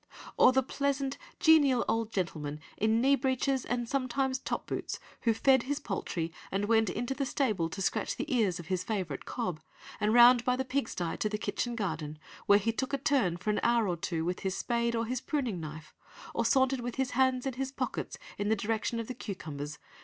Or "the pleasant genial old gentleman in knee breeches and sometimes top boots, who fed his poultry, and went into the stable to scratch the ears of his favourite cob, and round by the pig stye to the kitchen garden, where he took a turn for an hour or two with his spade or his pruning knife, or sauntered with his hands in his pockets in the direction of the cucumbers